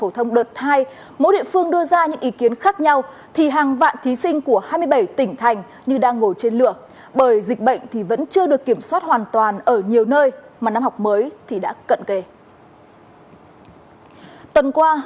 thơm thà về thả nhà của th cho dthese chúng ta coi như